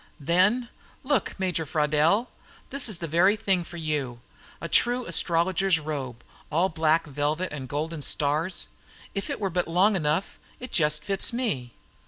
Then "Look, Major Fraudel This is the very thing for you a true astrologer's robe, all black velvet and golden stars. If it were but long enough; it just fits me."